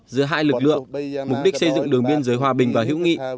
giữa hai lực lượng mục đích xây dựng đường biên giới hòa bình và hữu nghị